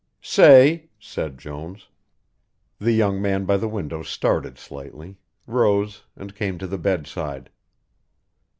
"Say," said Jones. The young man by the window started slightly, rose, and came to the bedside.